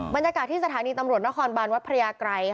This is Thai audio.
บรรยากาศที่สถานีตำรวจนครบานวัดพระยากรัย